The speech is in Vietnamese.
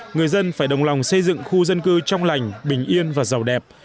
người dân phải đồng lòng xây dựng khu dân cư trong lành bình yên và giàu đẹp